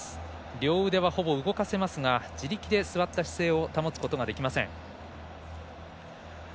両腕はほぼ動かせますが自力で座った姿勢を保つことができません。